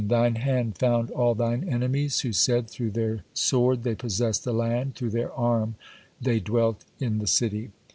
Thine hand found all Thine enemies, who said, through their sword they possessed the land, through their arm thy dwelt in the city.